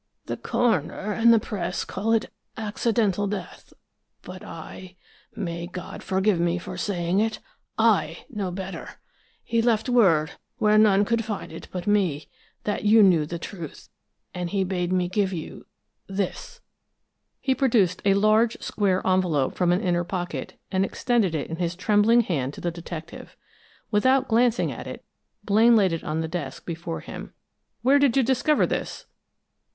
The coroner and the press call it accidental death, but I may God forgive me for saying it I know better! He left word where none could find it but me, that you knew the truth, and he bade me give you this!" He produced a large, square envelope from an inner pocket, and extended it in his trembling hand to the detective. Without glancing at it, Blaine laid it on the desk before him. "Where did you discover this?"